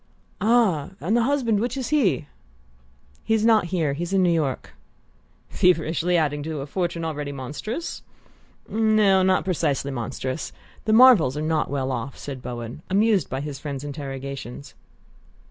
"Ah and the husband? Which is he?" "He's not here he's in New York." "Feverishly adding to a fortune already monstrous?" "No; not precisely monstrous. The Marvells are not well off," said Bowen, amused by his friend's interrogations.